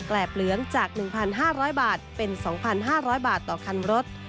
แปลบเหลืองจาก๑๕๐๐บาทเป็น๒๕๐๐บาทต่อคันรถ